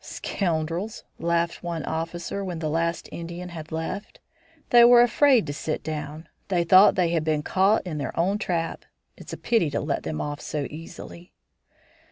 "Scoundrels!" laughed one officer, when the last Indian had left. "They were afraid to sit down. They thought they had been caught in their own trap. It's a pity to let them off so easily."